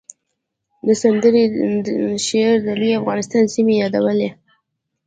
د سندرې شعر د لوی افغانستان سیمې یادولې